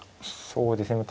そうですね。